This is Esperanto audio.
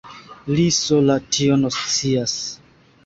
Li sola tion scias.